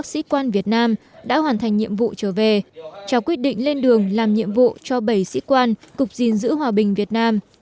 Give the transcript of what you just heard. sĩ quan việt nam đã hoàn thành nhiệm vụ trở về trao quyết định lên đường làm nhiệm vụ cho bảy sĩ quan cục diện giữ hòa bình việt nam